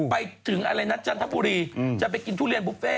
ไปถึงอะไรนะจันทบุรีจะไปกินทุเรียนบุฟเฟ่